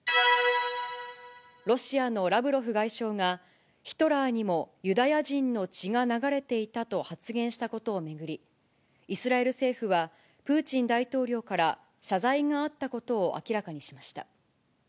ロシアのラブロフ外相が、ヒトラーにもユダヤ人の血が流れていたと発言したことを巡り、イスラエル政府は、プーチン大統領から謝罪があったことを明らかにしました。